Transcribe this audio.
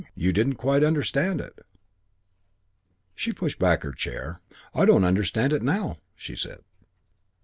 You didn't quite understand it " She pushed back her chair. "I don't understand it now," she said.